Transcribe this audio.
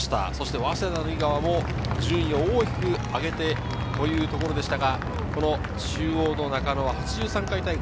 早稲田の井川も順位を大きく上げてというところでしたが、中央の中野、８３回大会